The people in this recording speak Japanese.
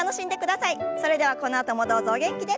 それではこのあともどうぞお元気で。